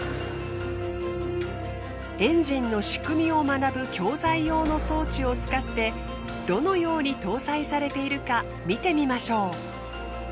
エンジンの仕組みを学ぶ教材用の装置を使ってどのように搭載されているか見てみましょう。